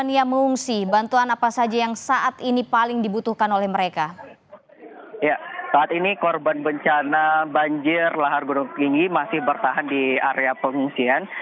saat ini korban bencana banjir lahar gunung tinggi masih bertahan di area pengungsian